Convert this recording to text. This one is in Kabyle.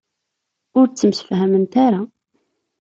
Ur ttemsefhament ara.